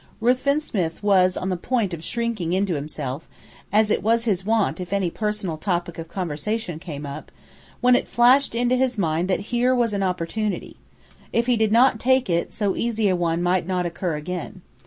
Ruthven Smith was on the point of shrinking into himself, as was his wont if any personal topic of conversation came up, when it flashed into his mind that here was an opportunity. If he did not take it, so easy a one might not occur again.